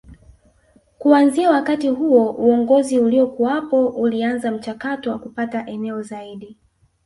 Kuanzia wakati huo uongozi uliokuwapo ulianza mchakato wa kupata eneo zaidi